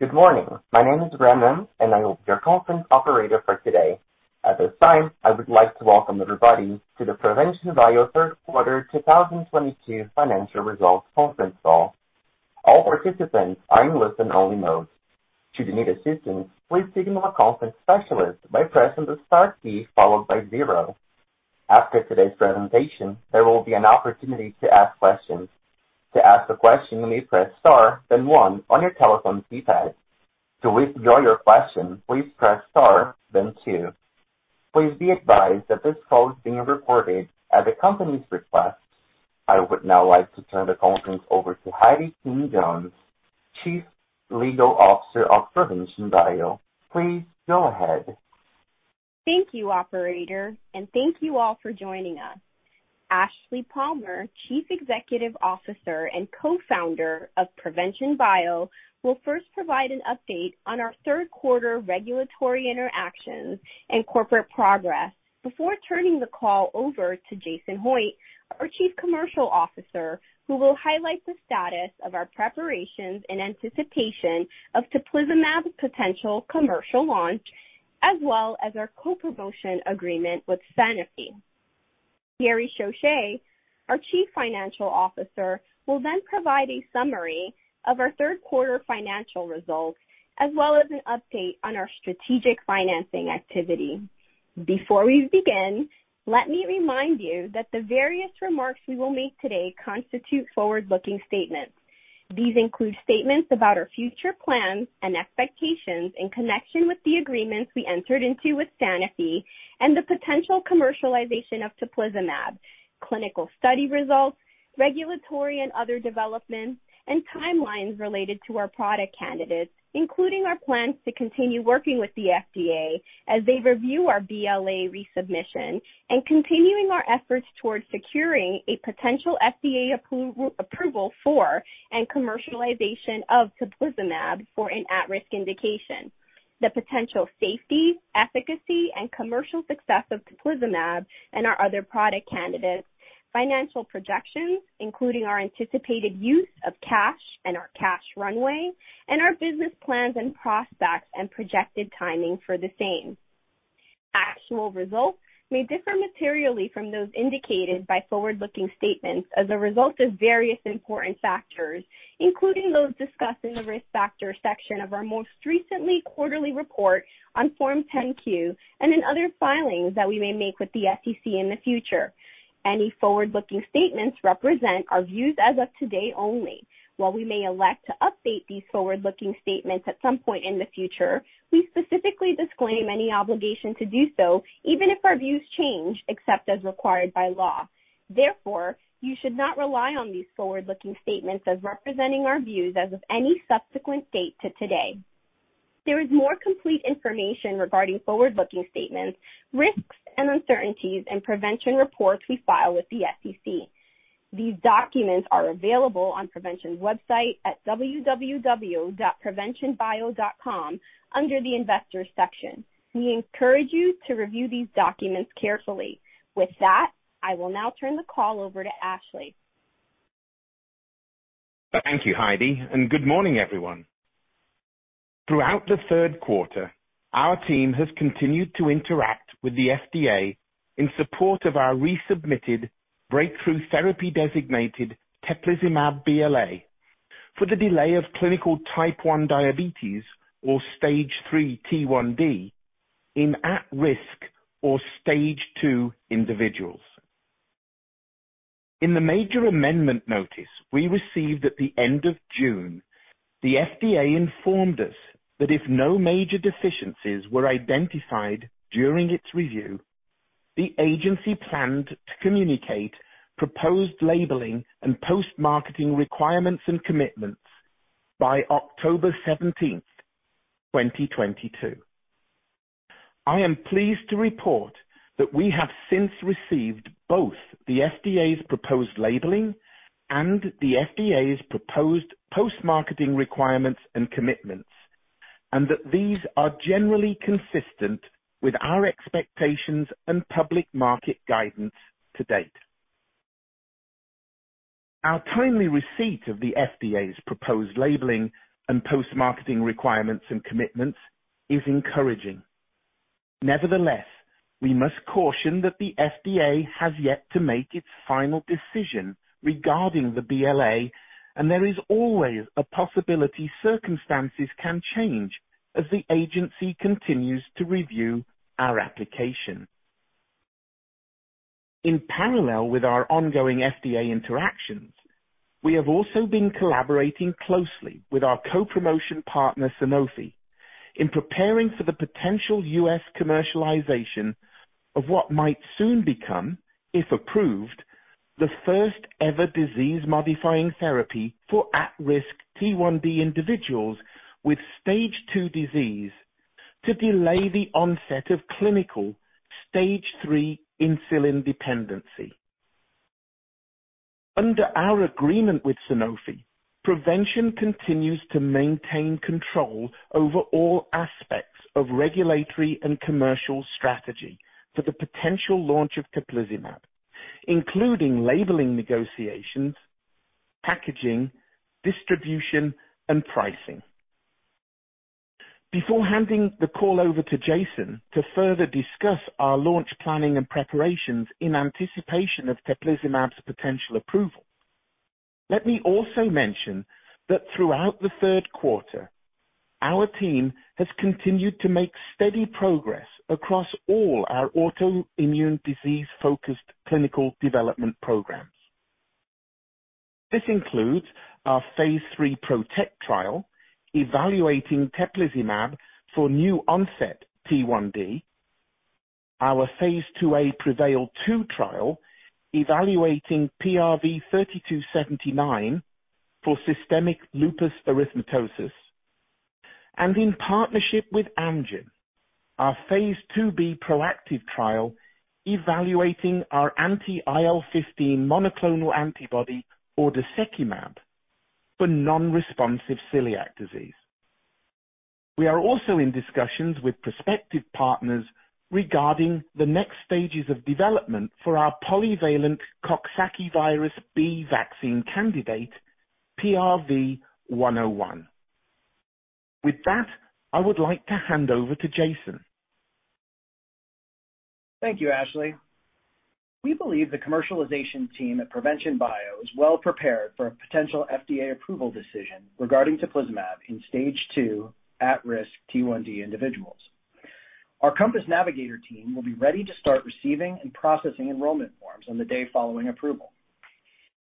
Good morning. My name is Brandon, and I will be your conference operator for today. At this time, I would like to welcome everybody to the Provention Bio Third Quarter 2022 Financial Results Conference Call. All participants are in listen only mode. Should you need assistance, please signal a conference specialist by pressing the star key followed by zero. After today's presentation, there will be an opportunity to ask questions. To ask a question, you may press star then one on your telephone keypad. To withdraw your question, please press star then two. Please be advised that this call is being recorded at the company's request. I would now like to turn the conference over to Heidy King-Jones, Chief Legal Officer of Provention Bio. Please go ahead. Thank you, Operator, and thank you all for joining us. Ashleigh Palmer, Chief Executive Officer and Co-founder of Provention Bio, will first provide an update on our third quarter regulatory interactions and corporate progress before turning the call over to Jason Hoitt, our Chief Commercial Officer, who will highlight the status of our preparations in anticipation of teplizumab's potential commercial launch, as well as our co-promotion agreement with Sanofi. Thierry Chauche, our Chief Financial Officer, will then provide a summary of our third quarter financial results, as well as an update on our strategic financing activity. Before we begin, let me remind you that the various remarks we will make today constitute forward-looking statements. These include statements about our future plans and expectations in connection with the agreements we entered into with Sanofi and the potential commercialization of teplizumab, clinical study results, regulatory and other developments, and timelines related to our product candidates, including our plans to continue working with the FDA as they review our BLA resubmission and continuing our efforts towards securing a potential FDA approval for and commercialization of teplizumab for an at-risk indication. The potential safety, efficacy and commercial success of teplizumab and our other product candidates. Financial projections, including our anticipated use of cash and our cash runway, and our business plans and prospects and projected timing for the same. Actual results may differ materially from those indicated by forward-looking statements as a result of various important factors, including those discussed in the Risk Factors section of our most recently quarterly report on Form 10-Q and in other filings that we may make with the SEC in the future. Any forward-looking statements represent our views as of today only. While we may elect to update these forward-looking statements at some point in the future, we specifically disclaim any obligation to do so, even if our views change, except as required by law. Therefore, you should not rely on these forward-looking statements as representing our views as of any subsequent date to today. There is more complete information regarding forward-looking statements, risks, and uncertainties in Provention reports we file with the SEC. These documents are available on Provention's website at www.proventionbio.com under the Investors section. We encourage you to review these documents carefully. With that, I will now turn the call over to Ashleigh. Thank you, Heidy, and good morning, everyone. Throughout the third quarter, our team has continued to interact with the FDA in support of our resubmitted breakthrough therapy designated teplizumab BLA for the delay of clinical type 1 diabetes or stage 3 T1D in at-risk or stage 2 individuals. In the major amendment notice we received at the end of June, the FDA informed us that if no major deficiencies were identified during its review, the agency planned to communicate proposed labeling and post-marketing requirements and commitments by October 17th, 2022. I am pleased to report that we have since received both the FDA's proposed labeling and the FDA's proposed post-marketing requirements and commitments, and that these are generally consistent with our expectations and public market guidance to date. Our timely receipt of the FDA's proposed labeling and post-marketing requirements and commitments is encouraging. Nevertheless, we must caution that the FDA has yet to make its final decision regarding the BLA, and there is always a possibility circumstances can change as the agency continues to review our application. In parallel with our ongoing FDA interactions, we have also been collaborating closely with our co-promotion partner, Sanofi, in preparing for the potential U.S. Commercialization of what might soon become, if approved, the first-ever disease-modifying therapy for at-risk T1D individuals with stage 2 disease to delay the onset of clinical stage 3 insulin dependency. Under our agreement with Sanofi, Provention continues to maintain control over all aspects of regulatory and commercial strategy for the potential launch of teplizumab, including labeling negotiations, packaging, distribution, and pricing. Before handing the call over to Jason to further discuss our launch planning and preparations in anticipation of teplizumab's potential approval, let me also mention that throughout the third quarter, our team has continued to make steady progress across all our autoimmune disease-focused clinical development programs. This includes our phase III PROTECT trial evaluating teplizumab for new onset T1D, our phase II-A PREVAIL-2 trial evaluating PRV-3279 for systemic lupus erythematosus, and in partnership with Amgen, our phase II-B PROACTIVE trial evaluating our anti-IL-15 monoclonal antibody ordesekimab for non-responsive celiac disease. We are also in discussions with prospective partners regarding the next stages of development for our polyvalent coxsackievirus B vaccine candidate, PRV-101. With that, I would like to hand over to Jason. Thank you, Ashleigh. We believe the commercialization team at Provention Bio is well prepared for a potential FDA approval decision regarding teplizumab in stage 2 at-risk T1D individuals. Our Compass Navigator team will be ready to start receiving and processing enrollment forms on the day following approval.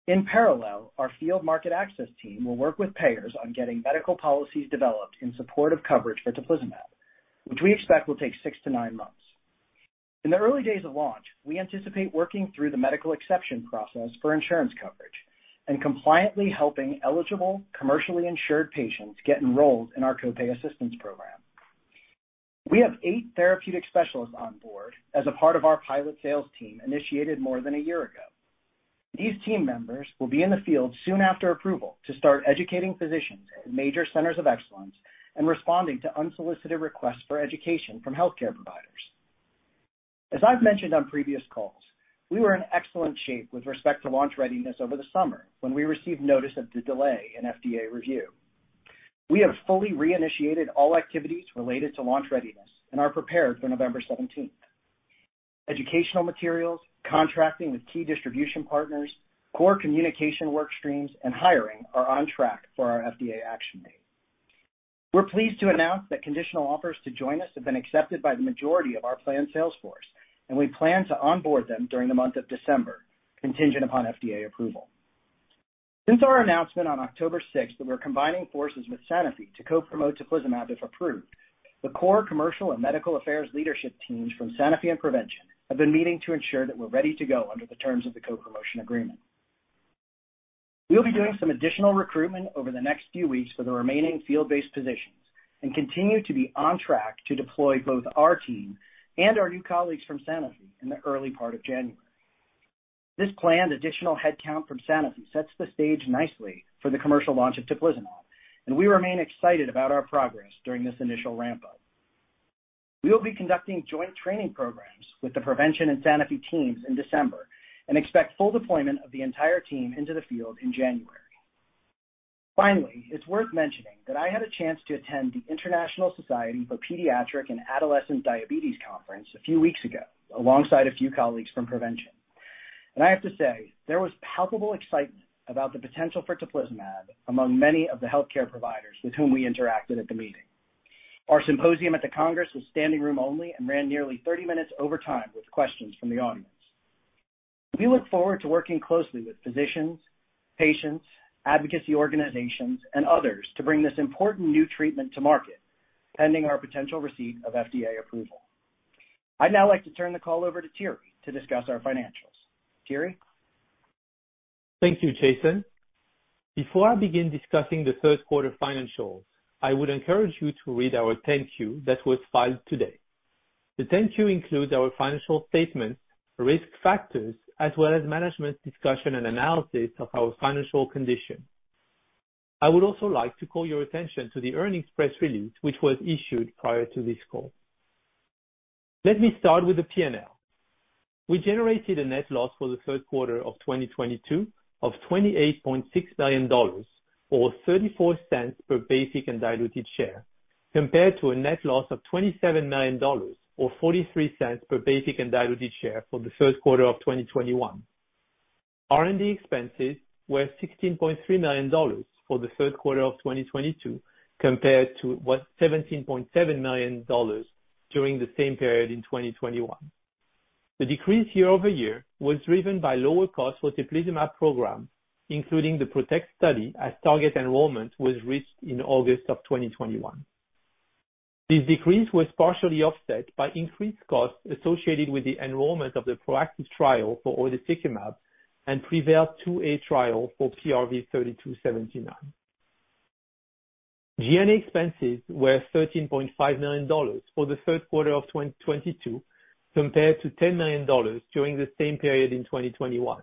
In parallel, our field market access team will work with payers on getting medical policies developed in support of coverage for teplizumab, which we expect will take six to nine months. In the early days of launch, we anticipate working through the medical exception process for insurance coverage and compliantly helping eligible commercially insured patients get enrolled in our co-pay assistance program. We have eight therapeutic specialists on board as a part of our pilot sales team initiated more than a year ago. These team members will be in the field soon after approval to start educating physicians at major centers of excellence and responding to unsolicited requests for education from healthcare providers. As I've mentioned on previous calls, we were in excellent shape with respect to launch readiness over the summer when we received notice of the delay in FDA review. We have fully reinitiated all activities related to launch readiness and are prepared for November 17th. Educational materials, contracting with key distribution partners, core communication work streams, and hiring are on track for our FDA action date. We're pleased to announce that conditional offers to join us have been accepted by the majority of our planned sales force, and we plan to onboard them during the month of December, contingent upon FDA approval. Since our announcement on October 6th, that we're combining forces with Sanofi to co-promote teplizumab, if approved, the core commercial and medical affairs leadership teams from Sanofi and Provention have been meeting to ensure that we're ready to go under the terms of the co-promotion agreement. We'll be doing some additional recruitment over the next few weeks for the remaining field-based positions and continue to be on track to deploy both our team and our new colleagues from Sanofi in the early part of January. This planned additional headcount from Sanofi sets the stage nicely for the commercial launch of teplizumab, and we remain excited about our progress during this initial ramp-up. We will be conducting joint training programs with the Provention and Sanofi teams in December and expect full deployment of the entire team into the field in January. Finally, it's worth mentioning that I had a chance to attend the International Society for Pediatric and Adolescent Diabetes Conference a few weeks ago, alongside a few colleagues from Provention Bio. I have to say, there was palpable excitement about the potential for teplizumab among many of the healthcare providers with whom we interacted at the meeting. Our symposium at the Congress was standing room only and ran nearly 30 minutes over time with questions from the audience. We look forward to working closely with physicians, patients, advocacy organizations, and others to bring this important new treatment to market, pending our potential receipt of FDA approval. I'd now like to turn the call over to Thierry to discuss our financials. Thierry? Thank you, Jason. Before I begin discussing the third quarter financials, I would encourage you to read our 10-Q that was filed today. The 10-Q includes our financial statements, risk factors, as well as management discussion and analysis of our financial condition. I would also like to call your attention to the earnings press release, which was issued prior to this call. Let me start with the P&L. We generated a net loss for the third quarter of 2022 of $28.6 million, or $0.34 per basic and diluted share, compared to a net loss of $27 million or $0.43 per basic and diluted share for the first quarter of 2021. R&D expenses were $16.3 million for the third quarter of 2022 compared to $17.7 million during the same period in 2021. The decrease year-over-year was driven by lower costs for teplizumab program, including the PROTECT study, as target enrollment was reached in August 2021. This decrease was partially offset by increased costs associated with the enrollment of the PROACTIVE trial for ordesekimab and PREVAIL-2 trial for PRV-3279. G&A expenses were $13.5 million for the third quarter of 2022 compared to $10 million during the same period in 2021,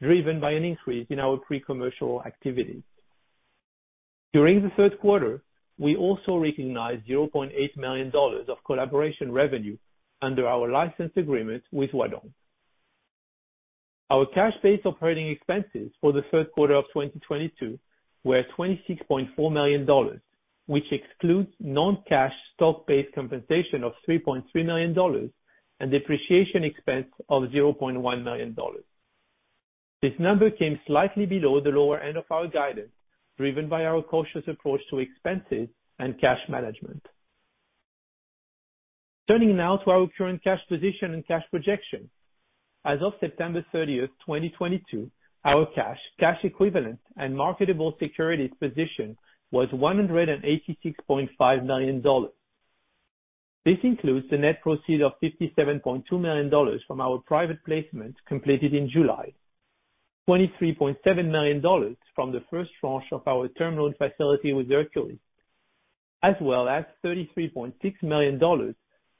driven by an increase in our pre-commercial activities. During the third quarter, we also recognized $0.8 million of collaboration revenue under our license agreement with Huadong. Our cash-based operating expenses for the third quarter of 2022 were $26.4 million, which excludes non-cash stock-based compensation of $3.3 million and depreciation expense of $0.1 million. This number came slightly below the lower end of our guidance, driven by our cautious approach to expenses and cash management. Turning now to our current cash position and cash projection. As of September 30th, 2022, our cash equivalents and marketable securities position was $186.5 million. This includes the net proceeds of $57.2 million from our private placement completed in July, $23.7 million from the first tranche of our term loan facility with Hercules, as well as $33.6 million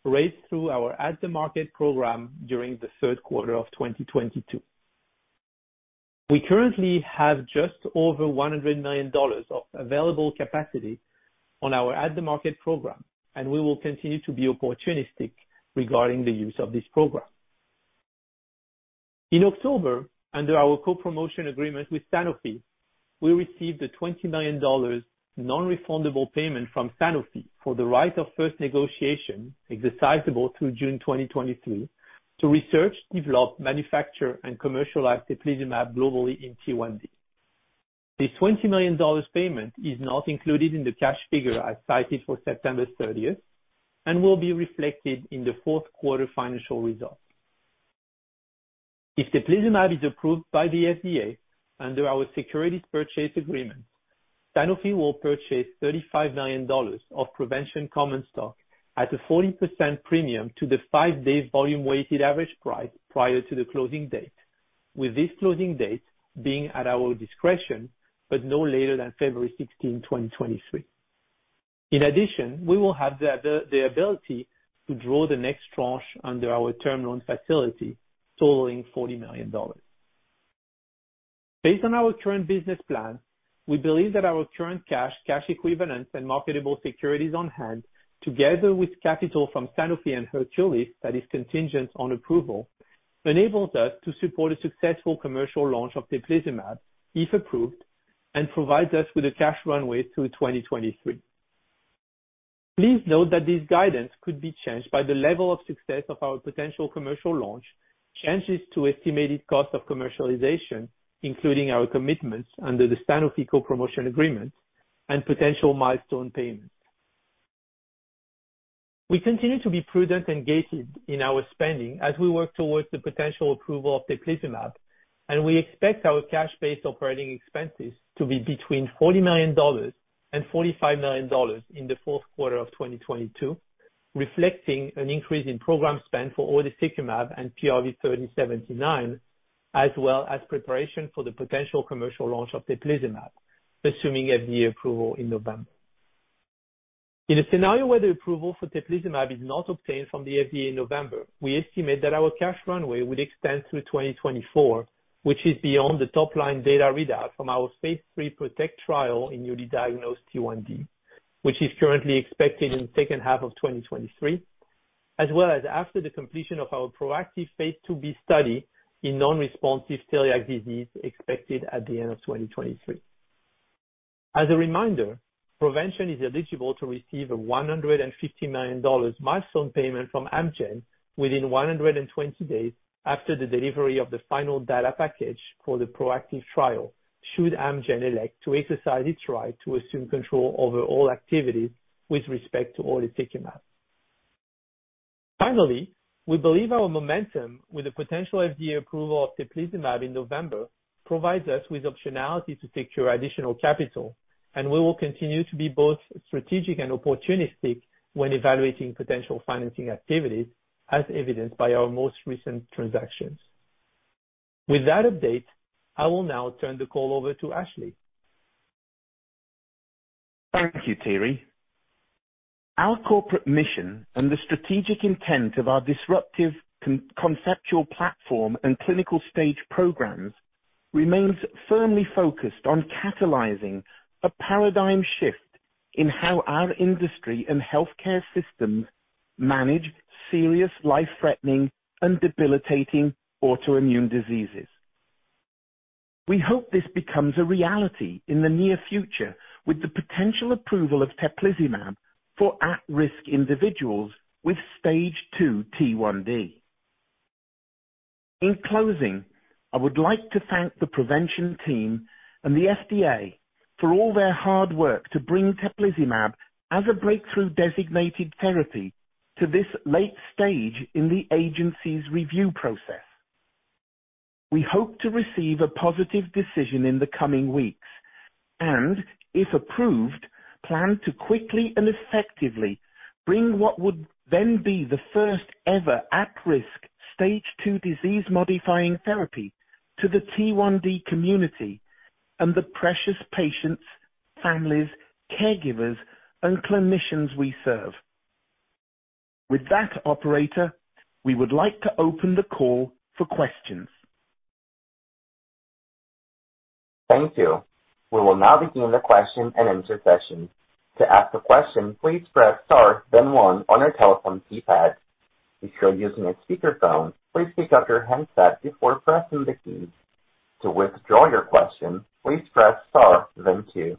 raised through our at-the-market program during the third quarter of 2022. We currently have just over $100 million of available capacity on our at-the-market program, and we will continue to be opportunistic regarding the use of this program. In October, under our co-promotion agreement with Sanofi, we received a $20 million non-refundable payment from Sanofi for the right of first negotiation exercisable through June 2023 to research, develop, manufacture, and commercialize teplizumab globally in T1D. This $20 million payment is not included in the cash figure I cited for September 30th and will be reflected in the fourth quarter financial results. If teplizumab is approved by the FDA under our securities purchase agreement, Sanofi will purchase $35 million of Provention common stock at a 40% premium to the five-day volume weighted average price prior to the closing date. With this closing date being at our discretion, but no later than February 16, 2023. In addition, we will have the ability to draw the next tranche under our term loan facility totaling $40 million. Based on our current business plan, we believe that our current cash equivalents, and marketable securities on hand, together with capital from Sanofi and Hercules Capital that is contingent on approval, enables us to support a successful commercial launch of teplizumab, if approved, and provides us with a cash runway through 2023. Please note that this guidance could be changed by the level of success of our potential commercial launch, changes to estimated cost of commercialization, including our commitments under the Sanofi co-promotion agreement and potential milestone payments. We continue to be prudent and gated in our spending as we work towards the potential approval of teplizumab, and we expect our cash-based operating expenses to be between $40 million and $45 million in the fourth quarter of 2022, reflecting an increase in program spend for ordesekimab and PRV-3279, as well as preparation for the potential commercial launch of teplizumab, assuming FDA approval in November. In a scenario where the approval for teplizumab is not obtained from the FDA in November, we estimate that our cash runway would extend through 2024, which is beyond the top-line data readout from our phase III PROTECT trial in newly diagnosed T1D, which is currently expected in the second half of 2023, as well as after the completion of our PROACTIVE phase II-B study in non-responsive celiac disease expected at the end of 2023. As a reminder, Provention Bio is eligible to receive a $150 million milestone payment from Amgen within 120 days after the delivery of the final data package for the PROACTIVE trial, should Amgen elect to exercise its right to assume control over all activities with respect to ordesekimab. Finally, we believe our momentum with the potential FDA approval of teplizumab in November provides us with optionality to secure additional capital, and we will continue to be both strategic and opportunistic when evaluating potential financing activities, as evidenced by our most recent transactions. With that update, I will now turn the call over to Ashleigh. Thank you, Thierry. Our corporate mission and the strategic intent of our disruptive conceptual platform and clinical stage programs remains firmly focused on catalyzing a paradigm shift in how our industry and healthcare systems manage serious life-threatening and debilitating autoimmune diseases. We hope this becomes a reality in the near future with the potential approval of teplizumab for at-risk individuals with stage 2 T1D. In closing, I would like to thank the Provention team and the FDA for all their hard work to bring teplizumab as a breakthrough designated therapy to this late stage in the agency's review process. We hope to receive a positive decision in the coming weeks and, if approved, plan to quickly and effectively bring what would then be the first ever at-risk stage 2 disease-modifying therapy to the T1D community and the precious patients, families, caregivers, and clinicians we serve. With that Operator, we would like to open the call for questions. Thank you. We will now begin the question-and-answer session. To ask a question, please press star then one on your telephone keypad. If you're using a speakerphone, please pick up your handset before pressing the keys. To withdraw your question, please press star then two.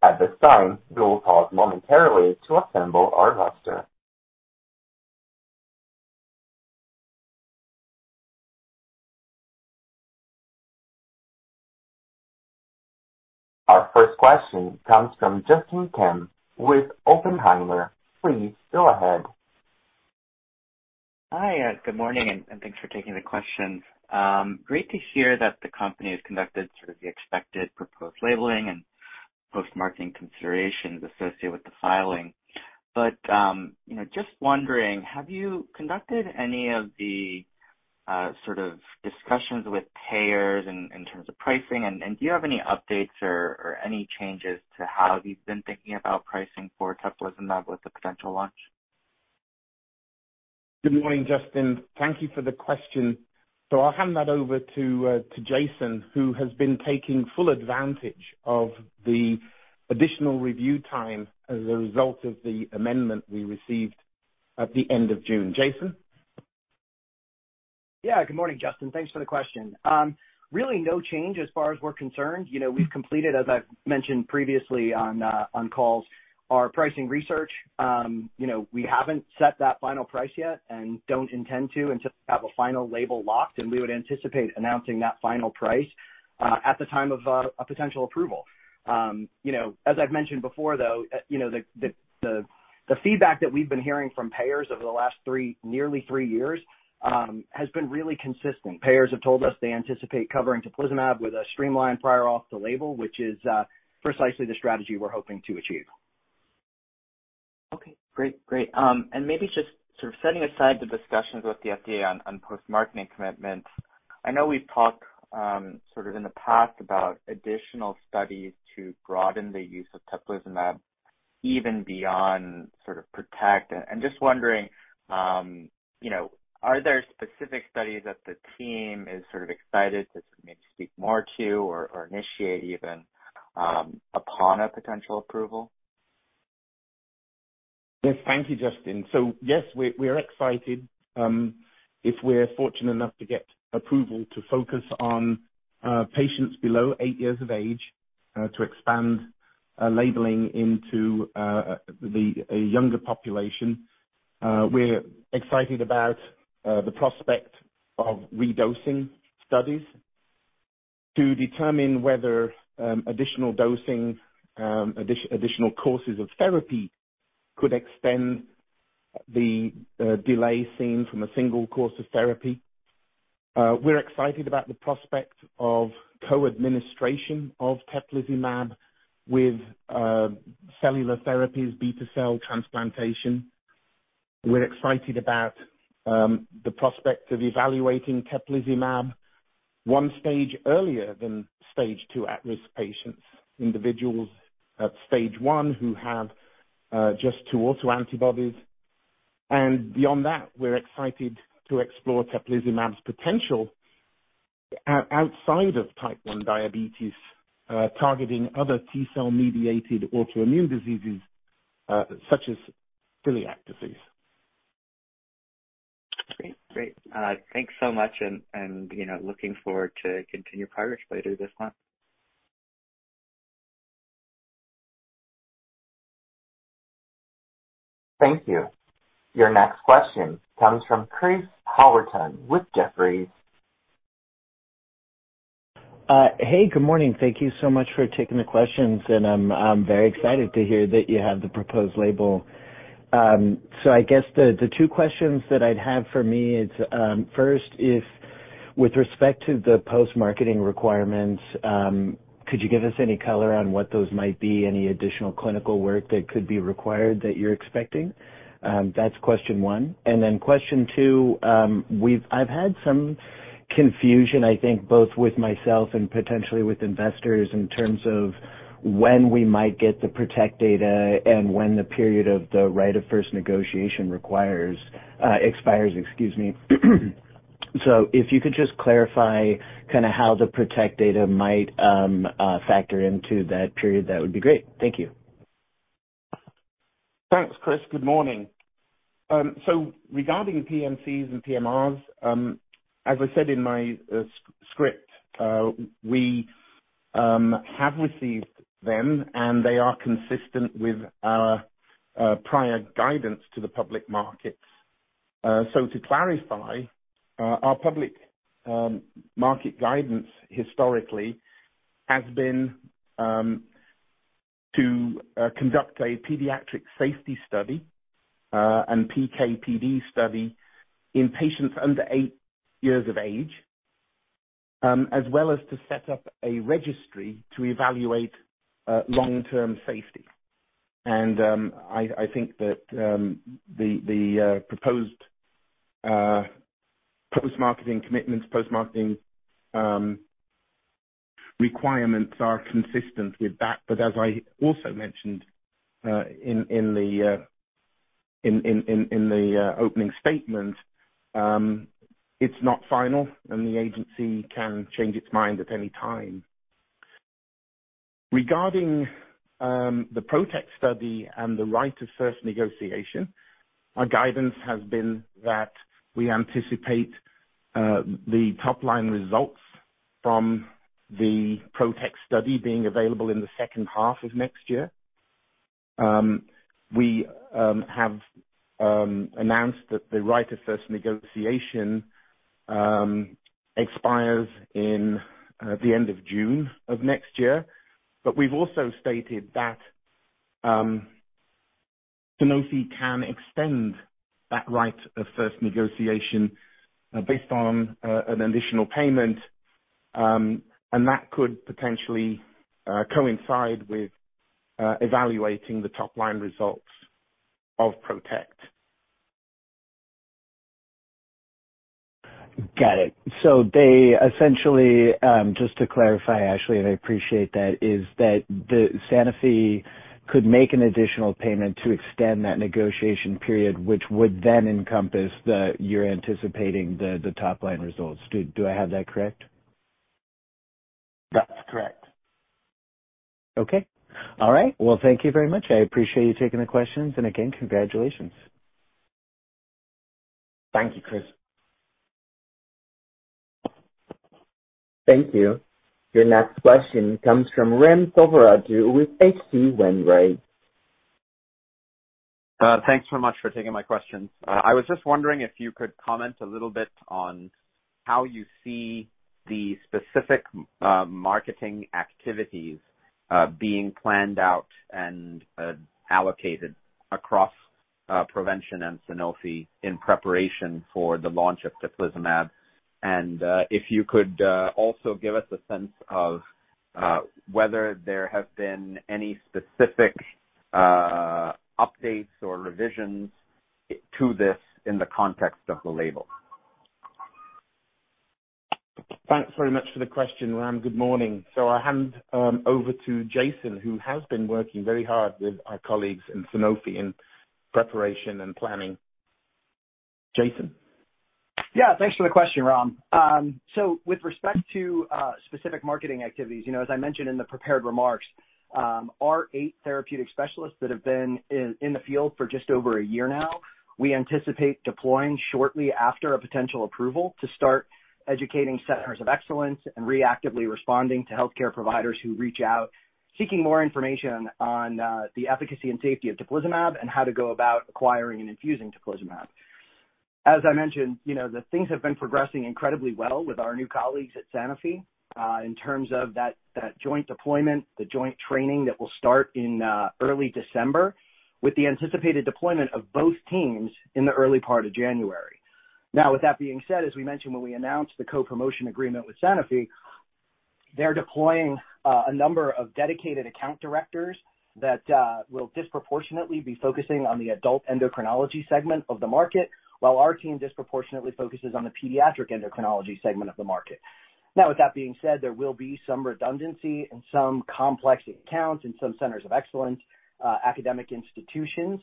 At this time, we will pause momentarily to assemble our roster. Our first question comes from Justin Kim with Oppenheimer. Please go ahead. Hi. Good morning, and thanks for taking the questions. Great to hear that the company has conducted sort of the expected proposed labeling and post-marketing considerations associated with the filing. You know, just wondering, have you conducted any of the sort of discussions with payers in terms of pricing? Do you have any updates or any changes to how you've been thinking about pricing for teplizumab with the potential launch? Good morning, Justin. Thank you for the question. I'll hand that over to Jason, who has been taking full advantage of the additional review time as a result of the amendment we received at the end of June. Jason? Yeah. Good morning, Justin. Thanks for the question. Really no change as far as we're concerned. You know, we've completed, as I've mentioned previously on calls, our pricing research. You know, we haven't set that final price yet and don't intend to until we have a final label locked, and we would anticipate announcing that final price at the time of a potential approval. You know, as I've mentioned before, though, you know, the feedback that we've been hearing from payers over the last three, nearly three years has been really consistent. Payers have told us they anticipate covering teplizumab with a streamlined prior authorization, which is precisely the strategy we're hoping to achieve. Okay. Great. Maybe just sort of setting aside the discussions with the FDA on post-marketing commitments, I know we've talked sort of in the past about additional studies to broaden the use of teplizumab even beyond sort of PROTECT. I'm just wondering, you know, are there specific studies that the team is sort of excited to maybe speak more to or initiate even upon a potential approval? Yes. Thank you, Justin. Yes, we're excited if we're fortunate enough to get approval to focus on patients below eight years of age to expand labeling into a younger population. We're excited about the prospect of redosing studies to determine whether additional dosing, additional courses of therapy could extend the delay seen from a single course of therapy. We're excited about the prospect of co-administration of teplizumab with cellular therapies, beta-cell transplantation. We're excited about the prospect of evaluating teplizumab one stage earlier than stage 2 at-risk patients, individuals at stage 1 who have just two autoantibodies. Beyond that, we're excited to explore teplizumab's potential outside of type 1 diabetes targeting other T-cell mediated autoimmune diseases such as celiac disease. Great. Thanks so much and, you know, looking forward to continued progress later this month. Thank you. Your next question comes from Chris Howerton with Jefferies. Hey, good morning. Thank you so much for taking the questions, and I'm very excited to hear that you have the proposed label. I guess the two questions that I'd have for me is, first, with respect to the post-marketing requirements, could you give us any color on what those might be, any additional clinical work that could be required that you're expecting? That's question one. Question two, I've had some confusion, I think, both with myself and potentially with investors in terms of when we might get the PROTECT data and when the period of the right of first negotiation expires, excuse me. If you could just clarify kinda how the PROTECT data might factor into that period, that would be great. Thank you. Thanks, Chris. Good morning. Regarding the PMCs and PMRs, as I said in my script, we have received them, and they are consistent with our prior guidance to the public markets. To clarify, our public market guidance historically has been to conduct a pediatric safety study and PK/PD study in patients under eight years of age, as well as to set up a registry to evaluate long-term safety. I think that the proposed post-marketing commitments, post-marketing requirements are consistent with that. As I also mentioned in the opening statement, it's not final, and the agency can change its mind at any time. Regarding the PROTECT study and the right of first negotiation, our guidance has been that we anticipate the top-line results from the PROTECT study being available in the second half of next year. We have announced that the right of first negotiation expires in the end of June of next year. We've also stated that Sanofi can extend that right of first negotiation based on an additional payment and that could potentially coincide with evaluating the top-line results of PROTECT. Got it. They essentially, just to clarify, Ashleigh, and I appreciate that, is that Sanofi could make an additional payment to extend that negotiation period, which would then encompass the top-line results you're anticipating. Do I have that correct? That's correct. Okay. All right. Well, thank you very much. I appreciate you taking the questions, and again, congratulations. Thank you, Chris. Thank you. Your next question comes from Ram Selvaraju with H.C. Wainwright. Thanks so much for taking my question. I was just wondering if you could comment a little bit on how you see the specific marketing activities being planned out and allocated across Provention and Sanofi in preparation for the launch of teplizumab. If you could also give us a sense of whether there have been any specific updates or revisions to this in the context of the label. Thanks very much for the question, Ram. Good morning. I'll hand over to Jason, who has been working very hard with our colleagues in Sanofi in preparation and planning. Jason? Yeah. Thanks for the question, Ram. So with respect to specific marketing activities, you know, as I mentioned in the prepared remarks, our eight therapeutic specialists that have been in the field for just over a year now, we anticipate deploying shortly after a potential approval to start educating centers of excellence and reactively responding to healthcare providers who reach out, seeking more information on the efficacy and safety of teplizumab and how to go about acquiring and infusing teplizumab. As I mentioned, you know, the things have been progressing incredibly well with our new colleagues at Sanofi in terms of that joint deployment, the joint training that will start in early December, with the anticipated deployment of both teams in the early part of January. Now, with that being said, as we mentioned when we announced the co-promotion agreement with Sanofi, they're deploying a number of dedicated account directors that will disproportionately be focusing on the adult endocrinology segment of the market while our team disproportionately focuses on the pediatric endocrinology segment of the market. Now, with that being said, there will be some redundancy in some complex accounts in some centers of excellence, academic institutions,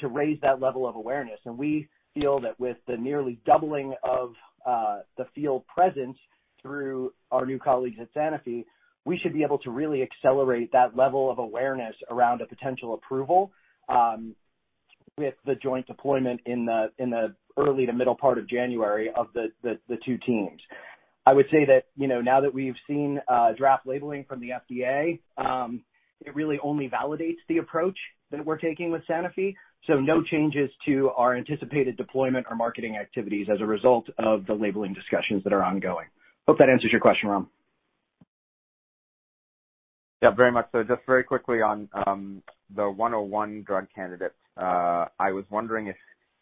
to raise that level of awareness. We feel that with the nearly doubling of the field presence through our new colleagues at Sanofi, we should be able to really accelerate that level of awareness around a potential approval with the joint deployment in the early to middle part of January of the two teams. I would say that, you know, now that we've seen draft labeling from the FDA, it really only validates the approach that we're taking with Sanofi. No changes to our anticipated deployment or marketing activities as a result of the labeling discussions that are ongoing. Hope that answers your question, Ram. Yeah, very much so. Just very quickly on the PRV-101 drug candidate. I was wondering if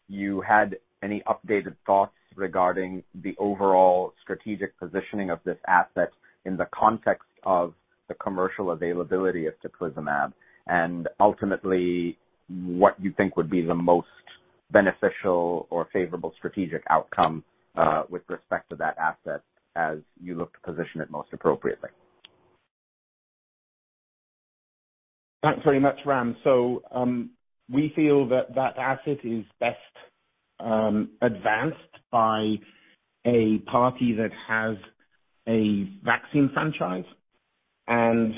you had any updated thoughts regarding the overall strategic positioning of this asset in the context of the commercial availability of teplizumab, and ultimately what you think would be the most beneficial or favorable strategic outcome with respect to that asset as you look to position it most appropriately. Thanks very much, Ram. We feel that asset is best advanced by a party that has a vaccine franchise and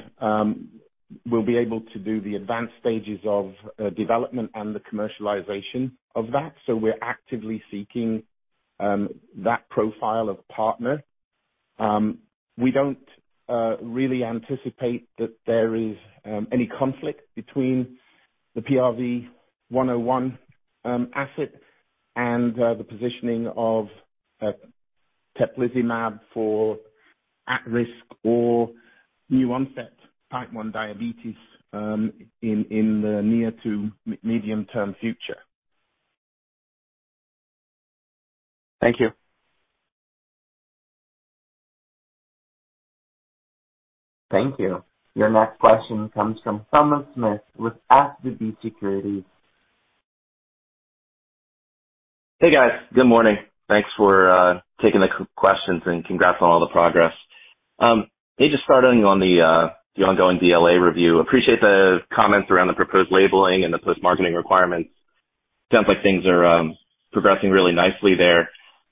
will be able to do the advanced stages of development and the commercialization of that. We're actively seeking that profile of partner. We don't really anticipate that there is any conflict between the PRV-101 asset and the positioning of teplizumab for at-risk or new onset type 1 diabetes in the near to medium term future. Thank you. Thank you. Your next question comes from Thomas Smith with SVB Securities. Hey guys. Good morning. Thanks for taking the questions and congrats on all the progress. Maybe just starting on the ongoing BLA review. Appreciate the comments around the proposed labeling and the post-marketing requirements. Sounds like things are progressing really nicely there.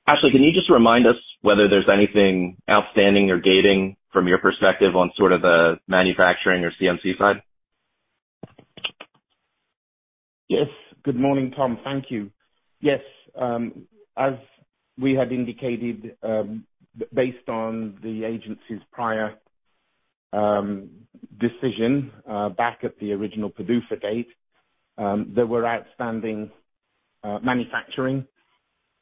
Ashleigh, can you just remind us whether there's anything outstanding or gating from your perspective on sort of the manufacturing or CMC side? Yes. Good morning, Tom. Thank you. Yes, as we had indicated, based on the agency's prior decision, back at the original PDUFA date, there were outstanding manufacturing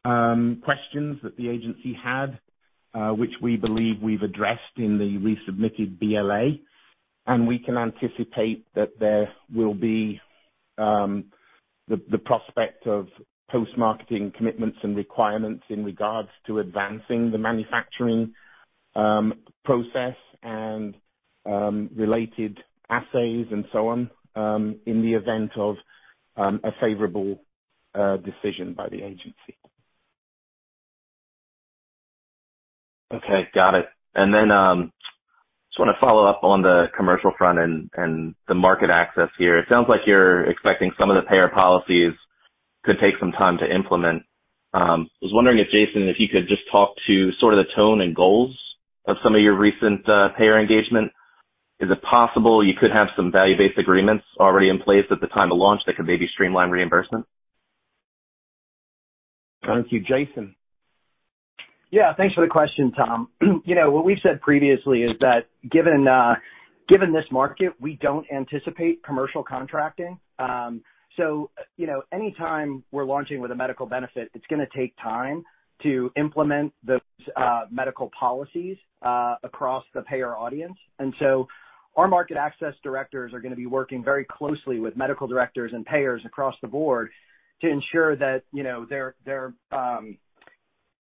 questions that the agency had, which we believe we've addressed in the resubmitted BLA. We can anticipate that there will be the prospect of post-marketing commitments and requirements in regards to advancing the manufacturing process and related assays and so on, in the event of a favorable decision by the agency. Okay. Got it. Just want to follow up on the commercial front and the market access here. It sounds like you're expecting some of the payer policies could take some time to implement. Was wondering if, Jason, if you could just talk to sort of the tone and goals of some of your recent payer engagement. Is it possible you could have some value-based agreements already in place at the time of launch that could maybe streamline reimbursement? Thank you, Jason. Yeah. Thanks for the question, Tom. You know, what we've said previously is that given this market, we don't anticipate commercial contracting. So, you know, any time we're launching with a medical benefit, it's going to take time to implement those medical policies across the payer audience. Our market access directors are going to be working very closely with medical directors and payers across the board to ensure that, you know, they're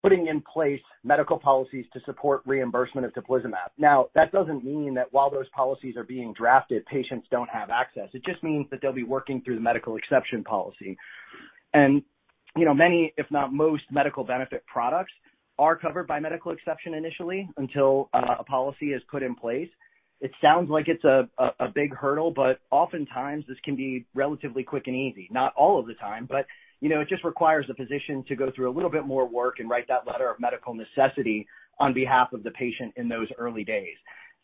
putting in place medical policies to support reimbursement of teplizumab. Now, that doesn't mean that while those policies are being drafted, patients don't have access. It just means that they'll be working through the medical exception policy. You know, many, if not most, medical benefit products are covered by medical exception initially until a policy is put in place. It sounds like it's a big hurdle, but oftentimes this can be relatively quick and easy. Not all of the time, but, you know, it just requires the physician to go through a little bit more work and write that letter of medical necessity on behalf of the patient in those early days.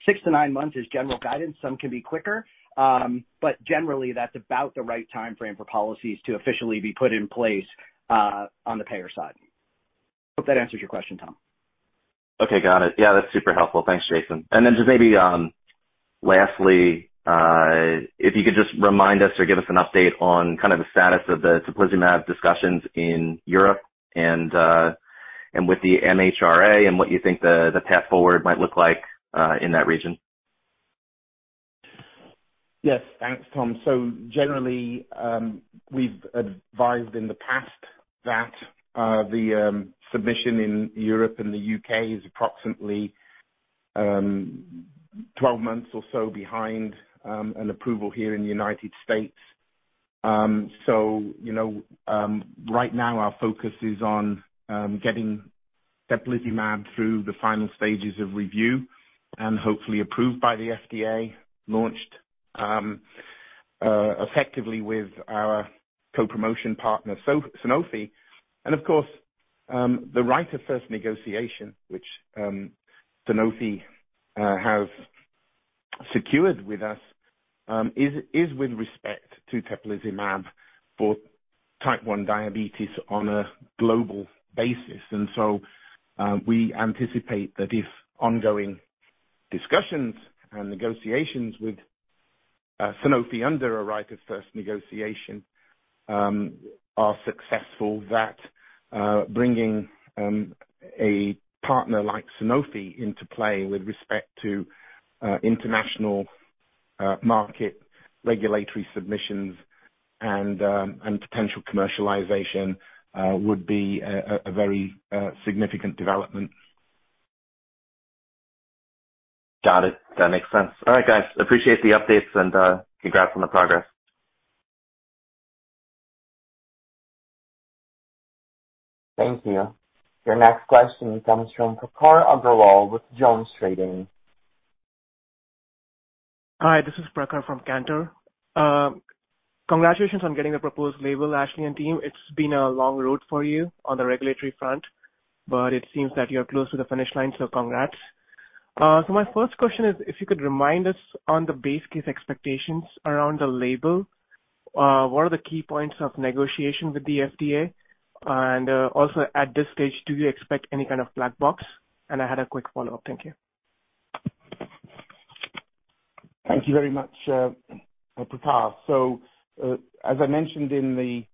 Six to nine months is general guidance. Some can be quicker, but generally, that's about the right timeframe for policies to officially be put in place, on the payer side. Hope that answers your question, Tom. Okay. Got it. Yeah, that's super helpful. Thanks, Jason. Then just maybe, lastly, if you could just remind us or give us an update on kind of the status of the teplizumab discussions in Europe and with the MHRA and what you think the path forward might look like, in that region. Yes. Thanks, Tom. Generally, we've advised in the past that the submission in Europe and the U.K. is approximately 12 months or so behind an approval here in the United States. You know, right now our focus is on getting teplizumab through the final stages of review and hopefully approved by the FDA, launched effectively with our co-promotion partner, Sanofi. Of course, the right of first negotiation, which Sanofi have secured with us, is with respect to teplizumab for type 1 diabetes on a global basis. We anticipate that if ongoing discussions and negotiations with Sanofi under a right of first negotiation are successful, that bringing a partner like Sanofi into play with respect to international market regulatory submissions and potential commercialization would be a very significant development. Got it. That makes sense. All right, guys, appreciate the updates and, congrats on the progress. Thank you. Your next question comes from Prakhar Agrawal with JonesTrading. Hi, this is Prakhar from Cantor. Congratulations on getting the proposed label, Ashleigh and team. It's been a long road for you on the regulatory front, but it seems that you're close to the finish line, so congrats. My first question is if you could remind us on the base case expectations around the label, what are the key points of negotiation with the FDA? Also at this stage, do you expect any kind of black box? I had a quick follow-up. Thank you. Thank you very much, Prakhar. As I mentioned in the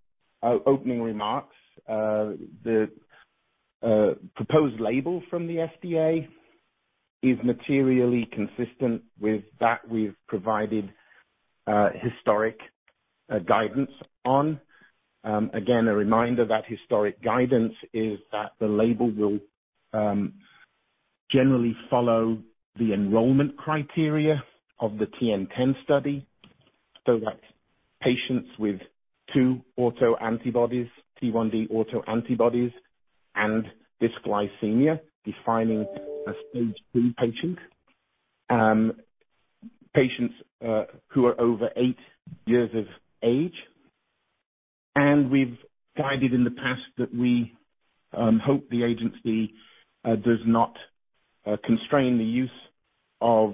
opening remarks, the proposed label from the FDA is materially consistent with that we've provided, historical guidance on. Again, a reminder that historical guidance is that the label will generally follow the enrollment criteria of the TN-10 study. Like patients with two autoantibodies, T1D autoantibodies and dysglycemia defining a stage 3 patient, patients who are over eight years of age. We've provided in the past that we hope the agency does not constrain the use of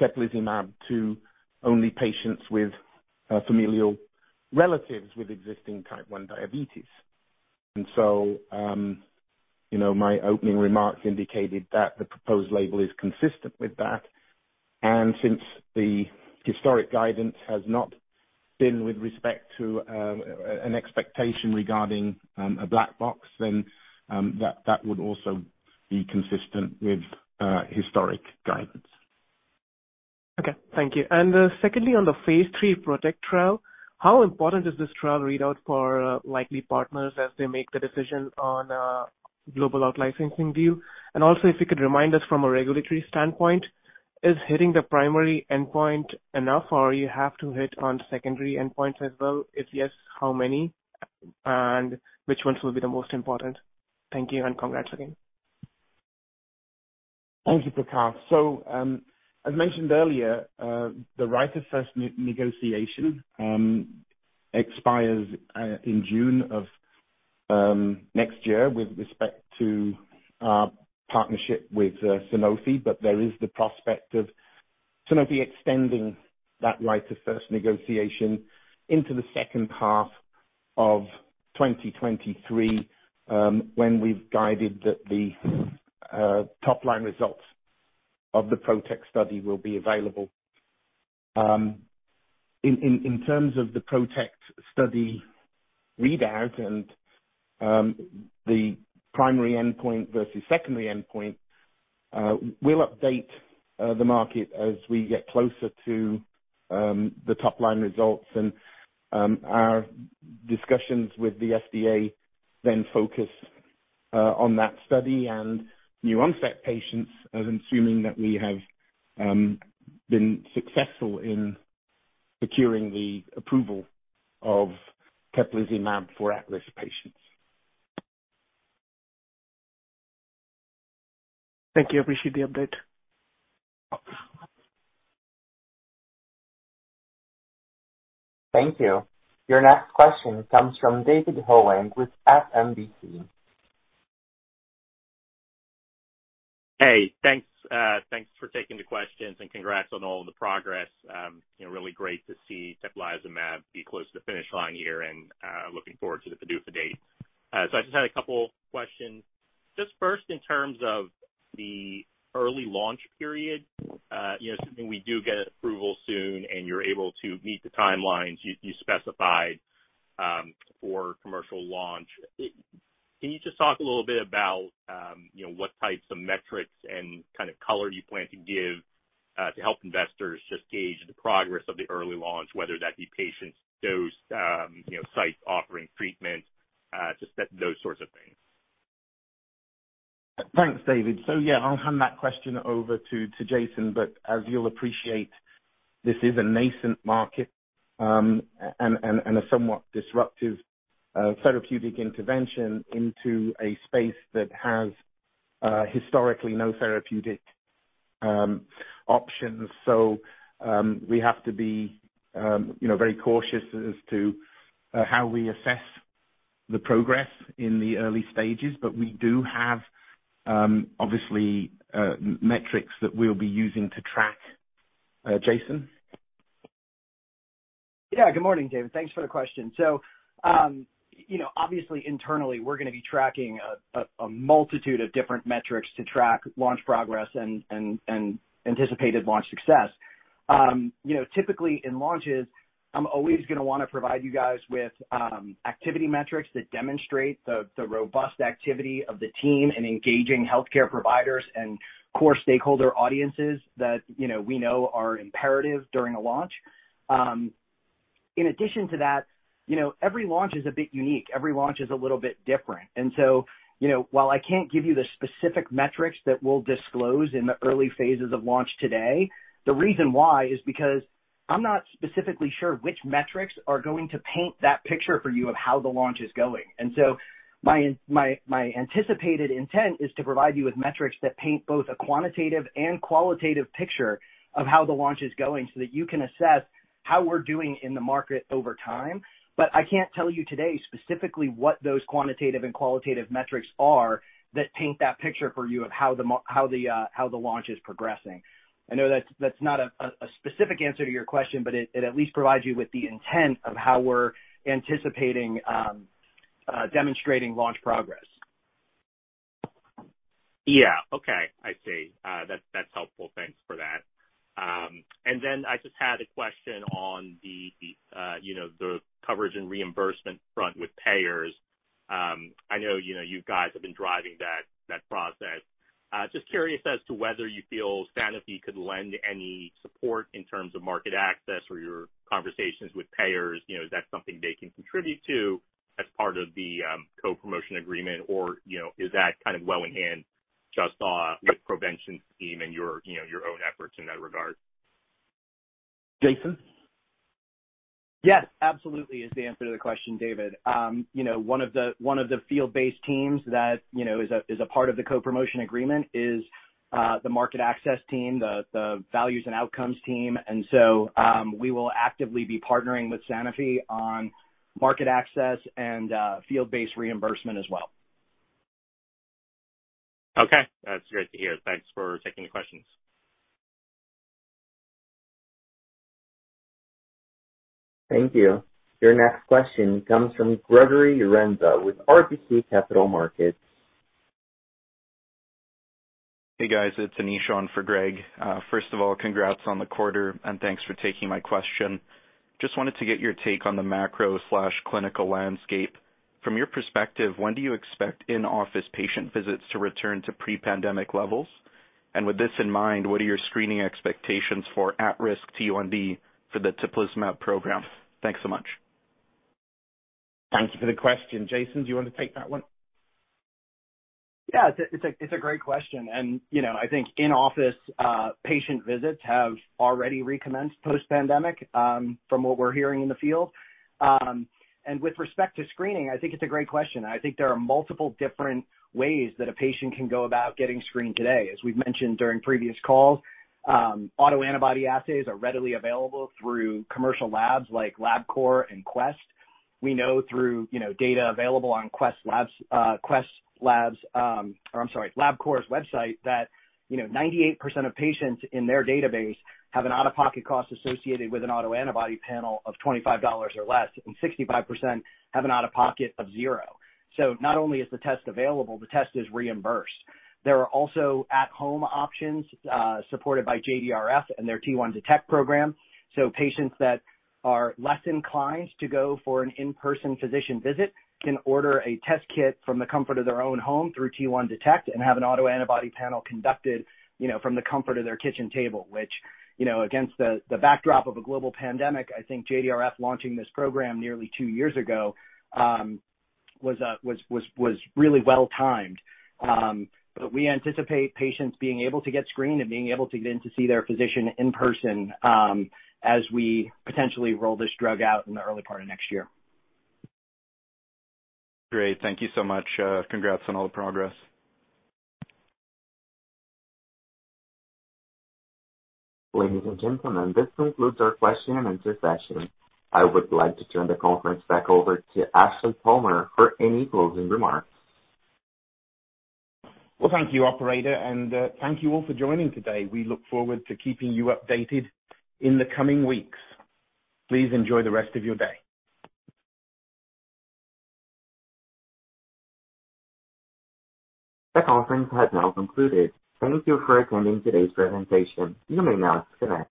teplizumab to only patients with familial relatives with existing type 1 diabetes. You know, my opening remarks indicated that the proposed label is consistent with that. Since the historic guidance has not been with respect to an expectation regarding a black box, then that would also be consistent with historic guidance. Okay. Thank you. Secondly, on the phase III PROTECT trial, how important is this trial readout for likely partners as they make the decision on global out-licensing deal? Also, if you could remind us from a regulatory standpoint, is hitting the primary endpoint enough, or you have to hit on secondary endpoints as well? If yes, how many and which ones will be the most important? Thank you, and congrats again. Thank you, Prakhar. As mentioned earlier, the right of first negotiation expires in June of next year with respect to our partnership with Sanofi. There is the prospect of Sanofi extending that right of first negotiation into the second half of 2023, when we've guided that the top line results of the PROTECT study will be available. In terms of the PROTECT study readout and the primary endpoint versus secondary endpoint, we'll update the market as we get closer to the top line results and our discussions with the FDA then focus on that study and new onset patients assuming that we have been successful in securing the approval of teplizumab for at-risk patients. Thank you. Appreciate the update. Thank you. Your next question comes from David Hoang with SMBC. Hey, thanks. Thanks for taking the questions and congrats on all the progress. You know, really great to see teplizumab be close to the finish line here and looking forward to the PDUFA date. So I just had a couple questions. Just first in terms of the early launch period, you know, assuming we do get approval soon and you're able to meet the timelines you specified, for commercial launch, can you just talk a little bit about, you know, what types of metrics and kind of color you plan to give, to help investors just gauge the progress of the early launch, whether that be patients dosed, you know, sites offering treatment, just that, those sorts of things. Thanks, David. Yeah, I'll hand that question over to Jason. As you'll appreciate, this is a nascent market, and a somewhat disruptive therapeutic intervention into a space that has historically no therapeutic options. We have to be you know very cautious as to how we assess the progress in the early stages. We do have obviously metrics that we'll be using to track. Jason? Yeah. Good morning, David. Thanks for the question. You know, obviously internally we're going to be tracking a multitude of different metrics to track launch progress and anticipated launch success. You know, typically in launches, I'm always going to want to provide you guys with activity metrics that demonstrate the robust activity of the team in engaging healthcare providers and core stakeholder audiences that, you know, we know are imperative during a launch. In addition to that, you know, every launch is a bit unique. Every launch is a little bit different. You know, while I can't give you the specific metrics that we'll disclose in the early phases of launch today, the reason why is because I'm not specifically sure which metrics are going to paint that picture for you of how the launch is going. My anticipated intent is to provide you with metrics that paint both a quantitative and qualitative picture of how the launch is going so that you can assess how we're doing in the market over time. I can't tell you today specifically what those quantitative and qualitative metrics are that paint that picture for you of how the launch is progressing. I know that's not a specific answer to your question, but it at least provides you with the intent of how we're anticipating demonstrating launch progress. Yeah. Okay. I see. That's helpful. Thanks for that. I just had a question on you know, the coverage and reimbursement front with payers. I know, you know, you guys have been driving that process. Just curious as to whether you feel Sanofi could lend any support in terms of market access or your conversations with payers. You know, is that something they can contribute to? As part of the co-promotion agreement or, you know, is that kind of well in hand just on the Provention team and your own efforts in that regard? Jason? Yes, absolutely is the answer to the question, David. You know, one of the field-based teams that you know is a part of the co-promotion agreement is the market access team, the values and outcomes team. We will actively be partnering with Sanofi on market access and field-based reimbursement as well. Okay. That's great to hear. Thanks for taking the questions. Thank you. Your next question comes from Gregory Renza with RBC Capital Markets. Hey, guys, it's Anish on for Greg. First of all, congrats on the quarter, and thanks for taking my question. Just wanted to get your take on the macro/clinical landscape. From your perspective, when do you expect in-office patient visits to return to pre-pandemic levels? And with this in mind, what are your screening expectations for at-risk T1D for the teplizumab program? Thanks so much. Thank you for the question. Jason, do you want to take that one? Yeah, it's a great question. You know, I think in-office patient visits have already recommenced post-pandemic from what we're hearing in the field. With respect to screening, I think it's a great question. I think there are multiple different ways that a patient can go about getting screened today. As we've mentioned during previous calls, autoantibody assays are readily available through commercial labs like Labcorp and Quest. We know through, you know, data available on Quest Labs or I'm sorry, Labcorp's website that, you know, 98% of patients in their database have an out-of-pocket cost associated with an autoantibody panel of $25 or less, and 65% have an out-of-pocket of zero. So not only is the test available, the test is reimbursed. There are also at-home options supported by JDRF and their T1Detect program. Patients that are less inclined to go for an in-person physician visit can order a test kit from the comfort of their own home through T1Detect and have an autoantibody panel conducted, you know, from the comfort of their kitchen table, which, you know, against the backdrop of a global pandemic, I think JDRF launching this program nearly two years ago was really well timed. We anticipate patients being able to get screened and being able to get in to see their physician in person as we potentially roll this drug out in the early part of next year. Great. Thank you so much. Congrats on all the progress. Ladies and gentlemen, this concludes our question-and-answer session. I would like to turn the conference back over to Ashleigh Palmer for any closing remarks. Well, thank you, Operator, and thank you all for joining today. We look forward to keeping you updated in the coming weeks. Please enjoy the rest of your day. The conference has now concluded. Thank you for attending today's presentation. You may now disconnect.